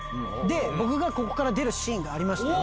僕がここから出るシーンがありまして。